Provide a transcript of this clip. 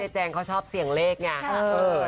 แจงเขาชอบเสี่ยงเลขไง